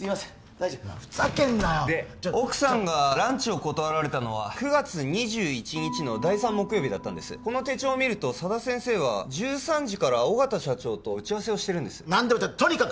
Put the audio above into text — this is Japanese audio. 大丈夫ふざけんなよで奥さんがランチを断られたのは９月２１日の第３木曜日だったんですこの手帳を見ると佐田先生は１３時から緒方社長と打ち合わせをしてるんですとにかく